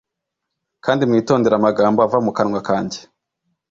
Kandi mwitondere amagambo ava mu kanwa kanjye